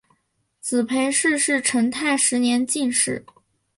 子裴栻是成泰十年进士。